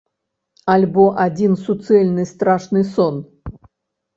Альбо адзін суцэльны страшны сон?